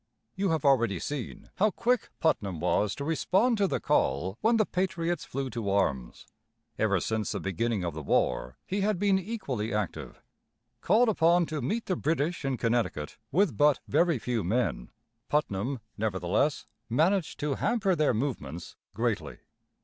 ] You have already seen how quick Putnam was to respond to the call when the patriots flew to arms. Ever since the beginning of the war he had been equally active. Called upon to meet the British in Connecticut, with but very few men, Putnam nevertheless managed to hamper their movements greatly.